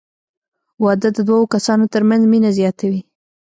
• واده د دوه کسانو تر منځ مینه زیاتوي.